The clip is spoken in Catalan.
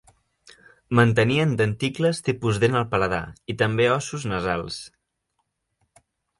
Mantenien denticles tipus dent al paladar i també ossos nasals.